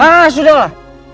ah sudah lah